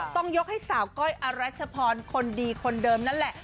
ต้องยกให้สาวก้อยอรัชพรคนดีคนเดิมนั่นแหละ